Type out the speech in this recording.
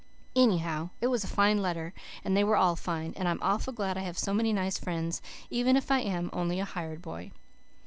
Anyhow, it was a fine letter, and they were all fine, and I'm awful glad I have so many nice friends, even if I am only a hired boy.